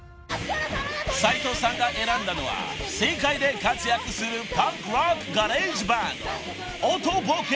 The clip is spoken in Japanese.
［斎藤さんが選んだのは世界で活躍するパンクロックガレージバンド］